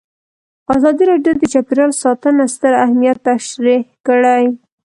ازادي راډیو د چاپیریال ساتنه ستر اهميت تشریح کړی.